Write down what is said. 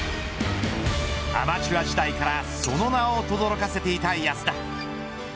アマチュア時代からその名をとどろかせていた安田。